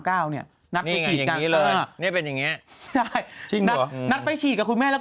ก้าวเนี่ยไม่อย่างนี้เลยนี่เป็นอย่างเงี้ยชิมรักนัดไปฉีดกับคุณแม่แล้ว